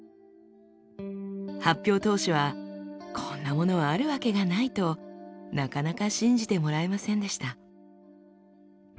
発表当初はこんなものはあるわけがないとなかなか信じてもらえませんでした。